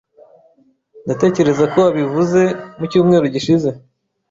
Ndatekereza ko wabivuze mu cyumweru gishize.